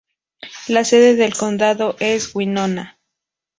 La sede del condado es Winona.